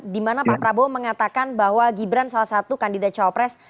dimana pak prabowo mengatakan bahwa gibran salah satu kandidat cawapres